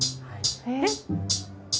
はい。